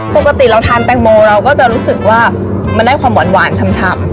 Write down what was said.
ปกติเราทานแตงโมเราก็จะรู้สึกว่ามันได้ความหวานชำ